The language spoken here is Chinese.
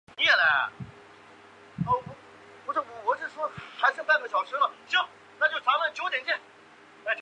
中国不以追求贸易逆差为目标，真诚希望扩大进口，促进经常项目收支平衡。